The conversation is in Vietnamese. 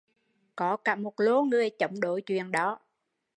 Có cả một lô người chống đối chuyện đó